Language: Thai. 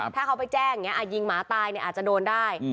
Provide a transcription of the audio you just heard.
ถ้าเขาไปแจ้งอย่างนี้ยิงหมาตายอาจจะโดนได้